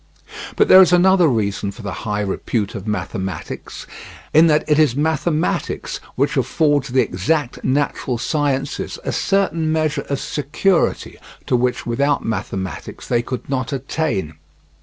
But there is another reason for the high repute of mathematics, in that it is mathematics which affords the exact natural sciences a certain measure of security, to which without mathematics they could not attain.